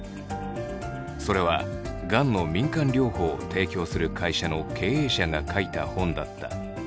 それはがんの民間療法を提供する会社の経営者が書いた本だった。